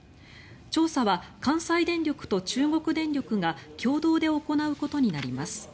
調査は関西電力と中国電力が共同で行うことになります。